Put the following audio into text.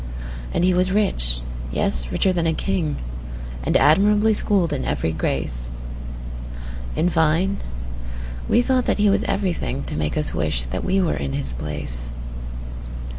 And he was rich,—yes, richer than a king,—And admirably schooled in every grace:In fine, we thought that he was everythingTo make us wish that we were in his place.